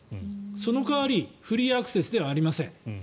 その代わりフリーアクセスではありません。